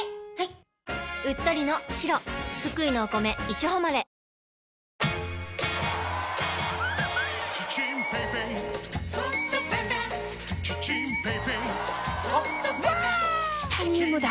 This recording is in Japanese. チタニウムだ！